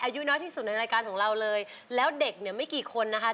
อายุน้อยที่สุดในรายการของเราเลยแล้วเด็กเนี่ยไม่กี่คนนะคะ